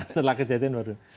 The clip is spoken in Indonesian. setelah kejadian baru